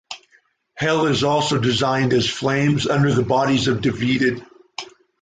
Hell is also designed as flames under the bodies of defeated.